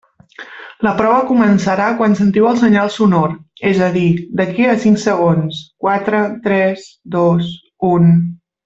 La prova començarà quan sentiu el senyal sonor, és a dir, d'aquí a cinc segons, quatre, tres, dos, un.